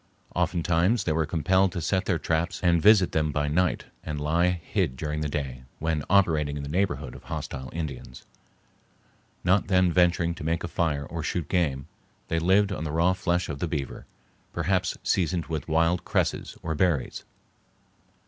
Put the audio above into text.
Oftentimes they were compelled to set their traps and visit them by night and lie hid during the day, when operating in the neighborhood of hostile Indians. Not then venturing to make a fire or shoot game, they lived on the raw flesh of the beaver, perhaps seasoned with wild cresses or berries.